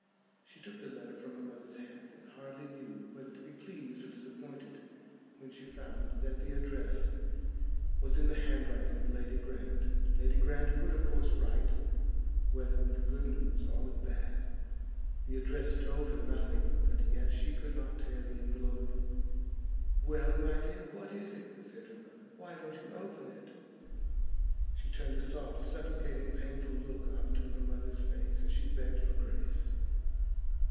She took the letter from her mother's hand and hardly knew whether to be pleased or disappointed when she found that the address was in the handwriting of Lady Grant. Lady Grant would of course write whether with good news or with bad. The address told her nothing, but yet she could not tear the envelope. "Well, my dear; what is it?" said her mother. "Why don't you open it?" She turned a soft supplicating painful look up to her mother's face as she begged for grace.